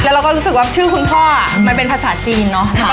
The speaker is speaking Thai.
เราก็รู้สึกว่าชื่อคุณพ่อมันเป็นภาษาจีนเนอะ